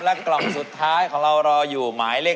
และกล่องสุดท้ายของเรารออยู่